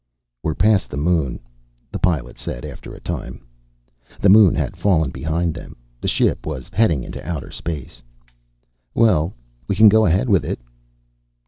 "We're past the moon," the Pilot said, after a time. The moon had fallen behind them; the ship was heading into outer space. "Well, we can go ahead with it."